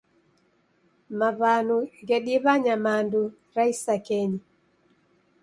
Maw'anu ghediw'a nyamandu ra isakenyi.